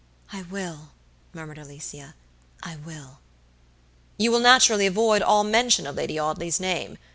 "I will," murmured Alicia, "I will." "You will naturally avoid all mention of Lady Audley's name.